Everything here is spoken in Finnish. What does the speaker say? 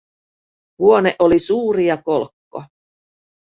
Huone oli suuri ja kolkko.